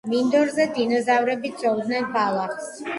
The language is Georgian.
მინდორზე დინოზავრები ძოვდნენ ბალახს.